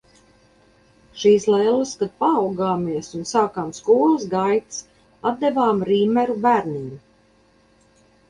Šīs lelles, kad paaugāmies un sākām skolas gaitas atdevām Rīmeru bērniem.